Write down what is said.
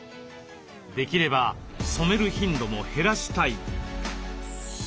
できれば染める頻度も減らしたい。